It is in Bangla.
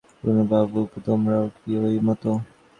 পূর্ণবাবু, তোমারও কি ঐ মত?